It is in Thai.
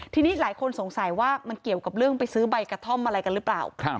ทีนี้หลายคนสงสัยว่ามันเกี่ยวกับเรื่องไปซื้อใบกระท่อมอะไรกันหรือเปล่า